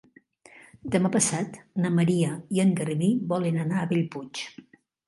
Demà passat na Maria i en Garbí volen anar a Bellpuig.